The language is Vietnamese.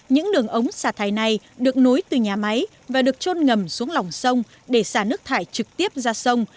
những đường ống xả thải này được nối từ nhà máy và được trôn ngầm xuống lòng sông để xả nước thải trực tiếp ra sông